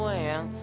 bisa semua eang